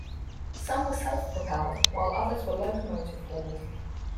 Some were self-propelled, while others were locomotive-hauled.